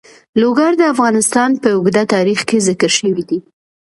لوگر د افغانستان په اوږده تاریخ کې ذکر شوی دی.